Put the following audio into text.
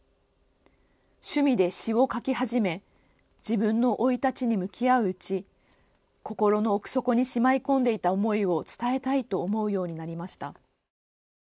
趣味で詩を書き始め自分の生い立ちに向き合ううち心の奥底にしまいこんでいた思いを伝えたいと思うようになりました。